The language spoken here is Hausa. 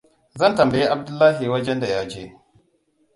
Zan tambayi Abdullahi wajenda ya je.